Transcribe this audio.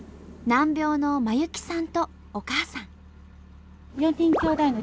難病の真佑希さんとお母さん。